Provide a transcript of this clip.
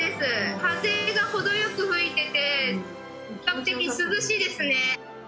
風が程よく吹いてて、比較的涼しいですね。